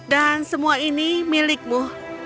dan semua ini milikmu